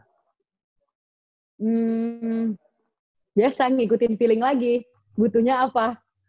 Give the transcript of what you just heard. hmm biasa ngikutin feeling lagi butuhnya apa